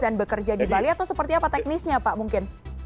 dan bekerja di bali atau seperti apa teknisnya pak mungkin